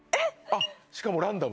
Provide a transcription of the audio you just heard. しかもランダムだ。